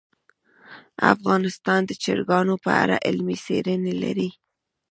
افغانستان د چرګانو په اړه علمي څېړنې لري.